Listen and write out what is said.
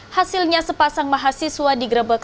hasilnya sepasang mahasiswa digrebek